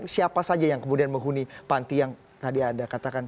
siapa saja yang kemudian menghuni panti yang tadi anda katakan